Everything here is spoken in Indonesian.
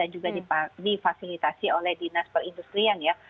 jadi fasilitasi oleh dinas perindustrian ya